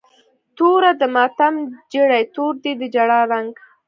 توره د ماتم جړۍ، تور دی د جړا رنګ